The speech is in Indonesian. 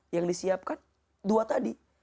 yang disiapkan dua tadi